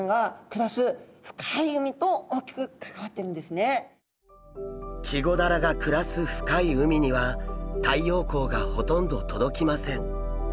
それはチゴダラが暮らす深い海には太陽光がほとんど届きません。